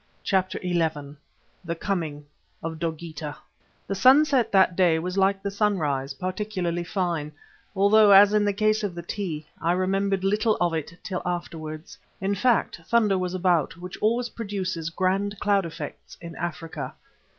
CHAPTER XI THE COMING OF DOGEETAH The sunset that day was like the sunrise, particularly fine, although as in the case of the tea, I remembered little of it till afterwards. In fact, thunder was about, which always produces grand cloud effects in Africa.